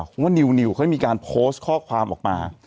เพราะว่านิวเขามีการโพสต์ข้อความออกมา